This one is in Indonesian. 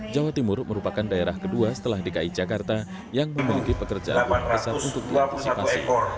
jawa timur merupakan daerah kedua setelah dki jakarta yang memiliki pekerjaan yang besar untuk diantisipasi